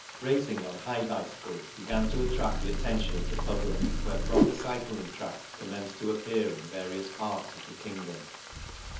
Racing on high bicycles began to attract the attention of the public when proper cycling tracks commenced to appear in various parts of the kingdom.